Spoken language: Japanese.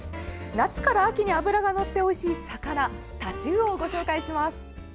夏から秋に脂がのっておいしい魚タチウオをご紹介します。